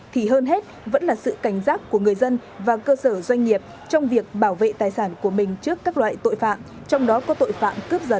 thì hơn hết vẫn là sự cảnh giác của người dân và cơ sở doanh nghiệp trong việc bảo vệ tài sản của mình trước các loại tội phạm trong đó có tội phạm cướp giật